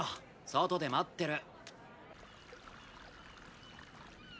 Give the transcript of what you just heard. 外で待ってる。